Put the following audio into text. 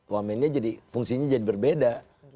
wamennya jadi fungsinya jadi berbeda